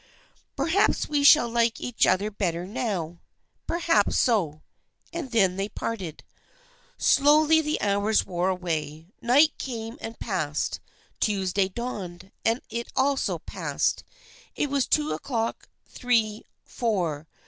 " Perhaps we shall like each other better now." " Perhaps so." And then they parted. Slowly the hours wore away. Night came and passed, Tuesday dawned and it also passed. It was two o'clock, three, four.